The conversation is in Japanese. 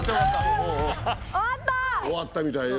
終わったみたいよ